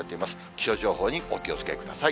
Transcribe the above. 気象情報にお気をつけください。